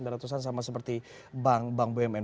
ini level empat belas sembilan ratus an sama seperti bank bumn